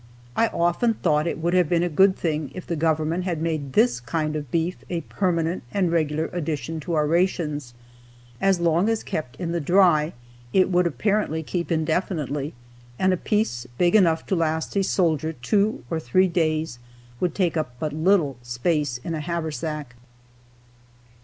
I often thought it would have been a good thing if the government had made this kind of beef a permanent and regular addition to our rations. As long as kept in the dry, it would apparently keep indefinitely, and a piece big enough to last a soldier two or three days would take up but little space in a haversack.